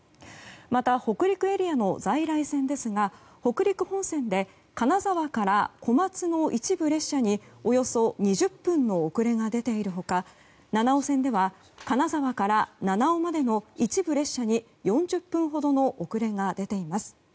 また、北陸エリアの在来線ですが北陸本線で金沢から小松の一部列車におよそ２０分の遅れが出ている他七尾線では金沢から七尾までの一部列車に４０分ほどの遅れが出ています。